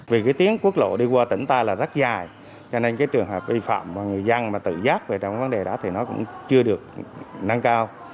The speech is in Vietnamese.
vì cái tiến quốc lộ đi qua tỉnh ta là rất dài cho nên cái trường hợp vi phạm người dân mà tự giác về trong vấn đề đó thì nó cũng chưa được nâng cao